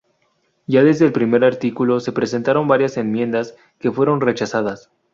Ya desde el primer artículo se presentaron varias enmiendas, que fueron rechazadas.